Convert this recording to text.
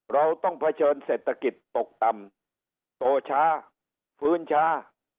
เราต้องเผชิญเศรษฐกิจตกต่ำโตช้าฟื้นช้า